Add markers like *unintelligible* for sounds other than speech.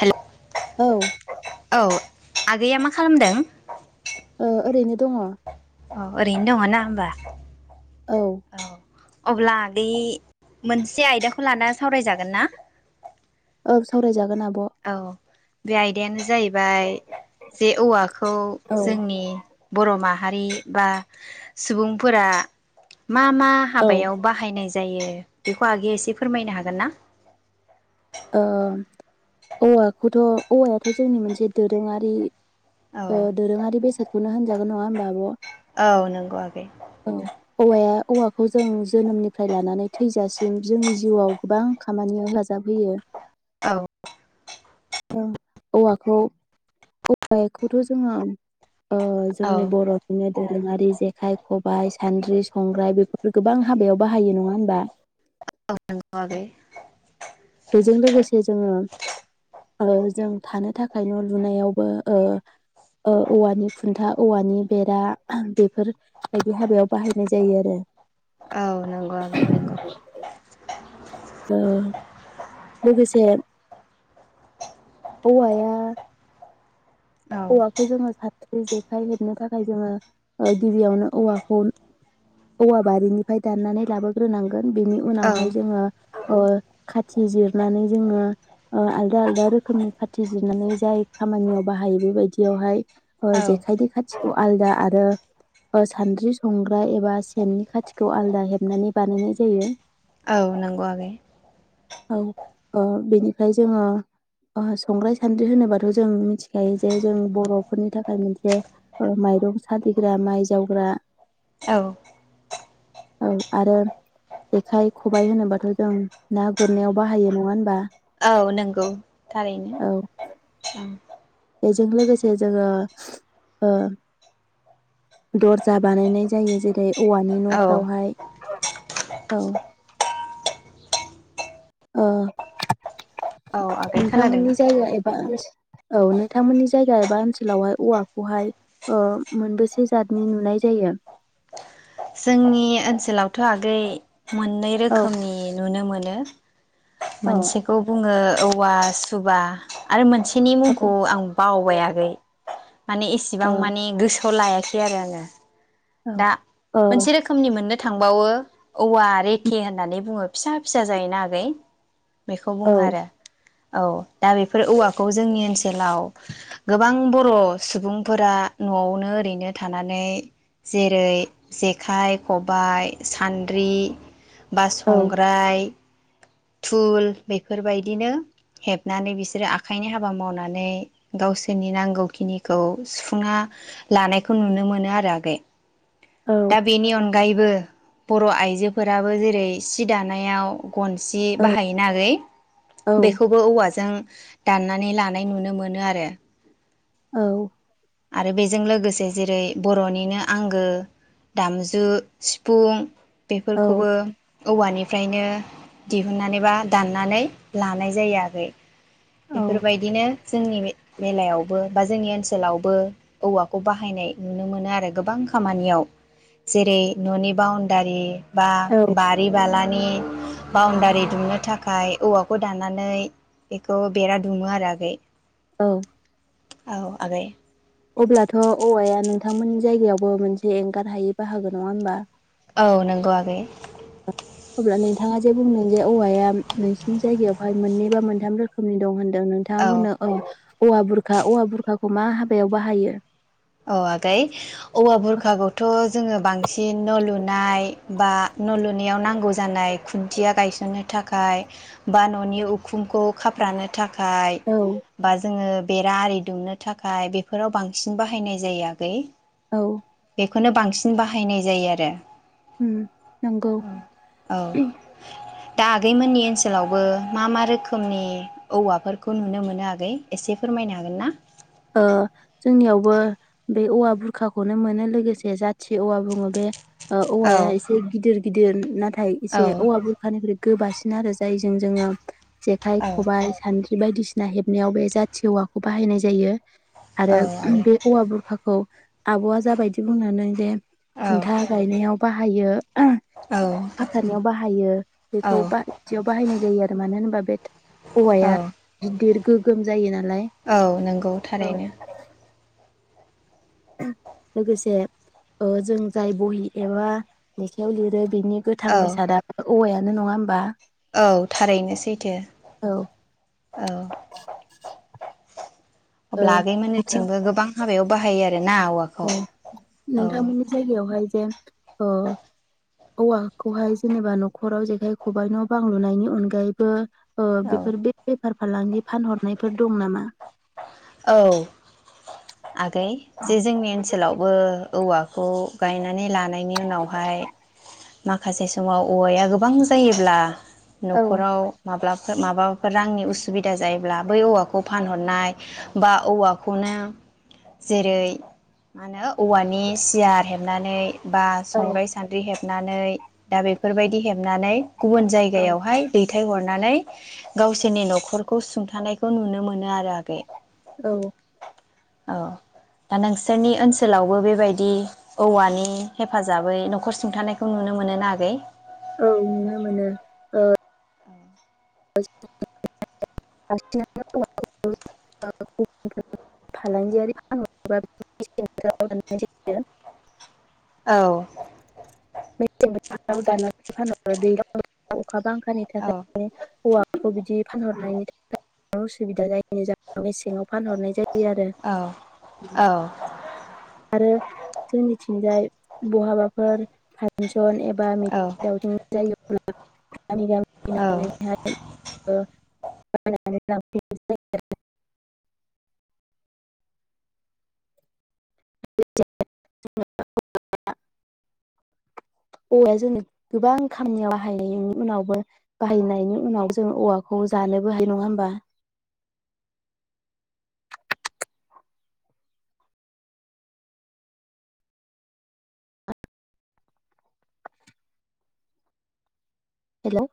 हेल' औ औ आगैया मा खालामदों ओ ओरैनो दङ औ ओरैनो दङ ना होमबा औ अब्ला आगै मोनसे आयदाखौ लाना सावरायजागोन ना औ सावराय जा गोन आब' औ बे आयदायानो जाहै बाय जे औवा खौ जोंनि बर'माहा हारि बा सुबुंफोरा मा मा औ ओ हाबायाव बाहायनाय जायो बेखौ आगैया एसे फोरमायनो हागोन ना औवाखौथ' औवायाथ' जोंनि मोनसे दोरोङारि औ ओ दोरोङारि बेसाद खौनो होनजागोन नङा होमबा आब' औ नंगौ आगै औवाया औवाखौ जों जोनोमनिफ्राय लानानै थैजासिम जोंनि जिउआव गोबां खामानियाव हेफाजाब होयो औ ओ औवाखौ औवाखौथ' जोङो ओ औ जोंनि बर'‌निनो दो रोङि जेखाइ खबाइ सान्द्रि संग्राय बेफोरफोरखौ गोबां हाबायाव बाहायो नङा होमबा औ नोंगौ आगै आरो जों थानो थाखाय न' लुनायावबो ओ -ओ औवानि खुन्था औवानि बेरा बेफोरबायदि हाबायाव बाहायनाय जायो आरो नंगो आगै नंगौ औ लोगोसे औवाया औ औवाखौ जोङो साथ्रि जेखाइ हेबनो थाखाय जोङो ओ गिबियावनो औवाखौ औवा बारिनिफ्राय दाननानै लाबोग्रोनांगोन बेनि औ उनावहाय जोङो ओ खाथि जिरनानै जोङो ओ आलदा आलदा रोखोमनि खाथि जिरनानै जाय खामानियाव बाहायो बेफोर बायदियावहाय ओ औ जेखायनि खाथिखौ आलदा आरो ओ सानद्रि संग्रा एबा सेननि खाथिखौ आलदा हेबनानै बानायनाय जायो औ नंगौ आगै औ ओ बेनिफ्राय जोङो ओ संग्राय सानद्रि होनोबाथ' जों मिथिखायो जे जों बर'फोरनि थाखाय मोनसे ओ माइरं सालिग्रा माइ जावग्रा औ औ आरो जेखाइ खबाइ होनोबाथ' जों ना गुरनायाव बाहायो नङा होनबा औ नंगौ थारैनो औ ओं बेजों लोगोसे जोङो ओ दर्जा बानायनाय जायो जेरै औवानि औ न'फ्रावहाय औ ओ औ आगै खोनादोंना नोंथांमोननि जायगा एबा ओन औ नोंथांमोननि जायगा एबा ओनसोलावहाय औवाखौहाय ओ मोनबेसे जातनि नुनाय जायो जोंनि ओनसोलावथ' आगै मोननै औ रोखोमनि नुनो मोनो औ मोनसेखौ बुङो औवा सुबा आरो मोन सेनि औ मुंखौ आं बावबाय आगै माने एसेबां औ माने गोसोआव लाया खै आरो आङो दा औ मोनसे रोखोमनि मोननो थांबावो औवा रेथे होननानै बुङो फिसा फिसा जायोना आगै बेखौ औ बुङो आरो औ दा बेफोर औवाखौ जोंनि ओनसोलाव गोबां बर' सुबुंफोरा न'आवनो ओरैनो थानानै जेरै जेखाइ खबाइ सान्द्रि बा औ संग्राय तुल बेफोरबायदिनो हेबनानै बिसोरो आखाइनि हाबा मावनानै गावसोरनि नांगौखिनिखौ सुफुंना लानायखौ नुनो मोनो आरो आगै औ दा बेनि अनगायै अनगायबो बर' आइजोफोराबो जेरै सि दानायाव गनसि बाहायो ना आगै बेखौबो औवाजों दाननानै लानाय नुनो मोनो आरो औ आरो बेजों लोगोसे जेरै बर'निनो आंगो दामजु सिफुं औ बेफोरखौबो औवानिफ्रायनो दिहुनन्नानै बा दाननानै लानाय जायो आगै औ बेफोरबायदिनो जोंनि बेलायावबो बा जोंनि ओनसोलावबो औवाखौ बाहायनाय नुनो मोनो आरो गोबां खामानियाव जेरै न'नि बाउनडारि बा औ बारि बालानि बाउणडारि दुमनो थाखाय औवाखौ दानानै खौ बेरा दुमो आरो आगै औ औ आगै अब्लाथ' औवाया नोंथांमोननि जायगायावबो मोनसे एंगार हायि बाहागो नङा होमबा औ नंगौ आगै अब्ला नोंथाङा जे बुंदों जे औवाया नोंसिनि जायगायावहाय मोननै बा मोनथाम रोखोमनि दं होनदों नोंथाङा औ औआ बुरखा औआ बुरखाखौ हमा हाबायाव बाहायो औ आगै औवा बुरखाखौथ' जोङो बांसिन न' लुनाय बा न'लुनायाव नांगौ जानाय खुन्थिया गायसननो थाखाय बा न'नि उखुमखौ खाफ्रानो थाखाय औ बा जोङो बेरा आरि दुमनो थाखाय बेफोराव बांसिन बाहाय बाहायनाय जायो आगै औ बेखौनो बांसिन बाहायनाय जायो आरो उम नंगौ औ दा आगैमोननि ओनसोलावबो मा मा रोखोमनि औवाफोरखौ नुनो मोनो आगै एसे फोरमायनो हागोन ना ओ जोंनियावबो बे औवा बुरखाखौनो मोनो लोगोसे जाथि औवा बुङो बे। औ औवाया एसे गिदिर गिदिर ना थाइ औ इसे औवा बुरखानिफ्राय गोबासिन आरो जायजों जोङो। जेखाइ औ खबाइ सानदि बायदिसिना हेबनायाव बे जाथि औवाखौ बाहायनाय जायो। आरो औ आगै बे औवा बुरखाखौ। खौ आब'आ जाबायदि बुंनानै जे खुन्था गायनायाव बाहायो औ *unintelligible* बाहायो औ बेखौदियाव बाहायनाय जायो। आरो मानो होनोबा बे औ औवाया गिदिर गोगोम जायो ना औ नंगौ थारैनो लोगोसे ओ जों जाय बहि एबा लेखायाव लिरो। बिनि गोथां औ बेसादा औवाया नो नङा होमबा औ थारैनो सैथो औ औ ओ अब्ला नोंथां आगैमोनथिंबो गोबां हाबायाव बाहाय आरो औ नोंथांमोननि जायगायावहाय जे अ औवाखौहाय जेनेबा न'खराव जेखाइ खबाइ न' बांलुनायनि अनगायैबो अ बेफोर औ बेफार फालांगि फानहरनायफोर दं नामा? औ आगै जे जोंनि ओनसोलावबो औवाखौ गायनानै लानायनि उनावहाय माखासे समाव औवाया गोबां जायोब्ला औ न'खराव माब्लाबा माबाफोर रांनि उसुबिदा जायोब्ला बै औवाखौ फानहरनाय। बा औवाखौनो जेरै मा होनो औवानि सियार हेबनानै बा औ संग्राइ सान्द्रि हेब हेबनानै दा बेफोरबायदि हेबनानै गुबुन औ जायगायावहाय दैथायहरनो नानै गावसिनि न'खरखौ सुंथानायखौ नुनो मोनो आरो आगै। औ औ दा नोंसोरनि ओनसोलावबो बेबायदि औवानि हेफाजाबै न'खर सुंथानायखौ नुनो मोनो ना आगै? औ नुनो मोनो ओ *inaudible* औ *inaudible* अखा बांखानि औ थाखायनो औवा खौ बिदि फानहरनायनि *inaudible* उसुबिदा जाय नि जाहाव मेसेङाव फानहरनाय जाय आव आव रो जोंनिथिंजाय बहाबाफोर फानसन एब बा औ मेथिं दावथिं जायो *inaudible* गामि औ गामि *inaudible* *inaudible* *inaudible* औवाया जोंनि गोबां खामानियाव बाहायनायनि उनावबो बाहायनायनि उनाव जों औवाखौ जानोबो हायो। नङा होमबा? हेलौ